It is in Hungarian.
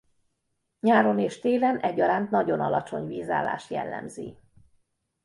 Nyáron és télen egyaránt nagyon alacsony vízállás jellemzi.